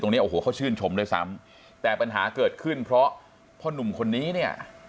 เนี้ยโอ้โหเขาชื่นชมด้วยซ้ำแต่ปัญหาเกิดขึ้นเพราะพ่อนุ่มคนนี้เนี่ย